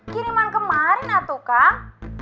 kiriman kemarin atuh kang